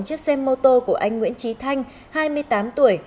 chiếc xe mô tô của anh nguyễn trí thanh hai mươi tám tuổi